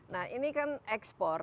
nah ini kan ekspor